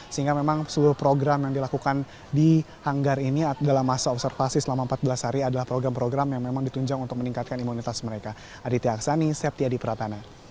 sehingga memang seluruh program yang dilakukan di hanggar ini dalam masa observasi selama empat belas hari adalah program program yang memang ditunjang untuk meningkatkan imunitas mereka